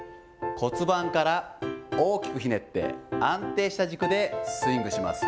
骨盤から大きくひねって、安定した軸でスイングします。